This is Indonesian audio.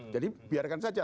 jadi biarkan saja